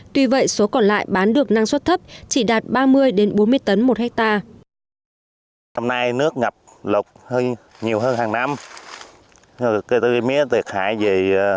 tuy vậy số còn lại bán được năng suất thấp chỉ đạt ba mươi bốn mươi tấn một hectare